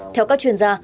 theo các chuyên gia